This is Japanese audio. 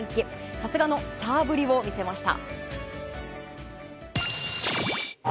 さすがのスターぶりを見せました。